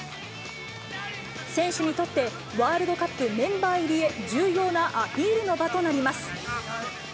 選手にとってワールドカップメンバー入りへ、重要なアピールの場となります。